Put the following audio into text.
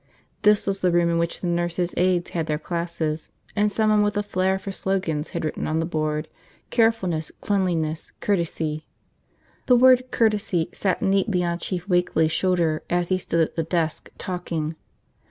This was the room in which the nurses' aides had their classes, and someone with a flair for slogans had written on the board, "Carefulness, Cleanliness, Courtesy." The word "Courtesy" sat neatly on Chief Wakeley's shoulder as he stood at the desk, talking.